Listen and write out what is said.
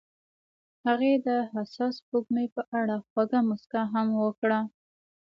هغې د حساس سپوږمۍ په اړه خوږه موسکا هم وکړه.